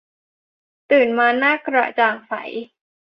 ตื่นมาหน้ากระจ่างใส